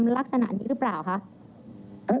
หลังจากที่เกิดเหตุอย่างนี้ค่ะ